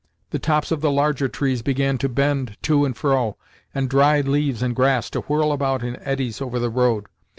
The tops of the larger trees began to bend to and fro, and dried leaves and grass to whirl about in eddies over the road.